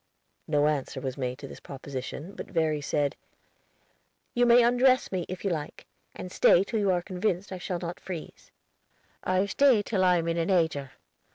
No answer was made to this proposition, but Verry said, "You may undress me, if you like, and stay till you are convinced I shall not freeze." "I've staid till I am in an ager.